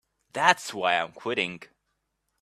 That's why I'm quitting.